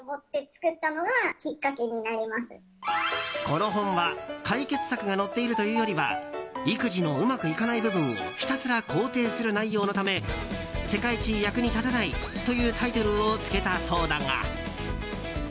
この本は解決策が載っているというよりは育児のうまくいかない部分をひたすら肯定する内容のため「世界一役に立たない」というタイトルを付けたそうだが。